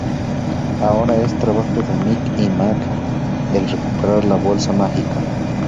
Ahora es trabajo de Mick y Mack el recuperar la Bolsa Mágica.